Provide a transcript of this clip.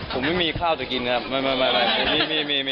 ผมไม่มีข้าวจะกินครับ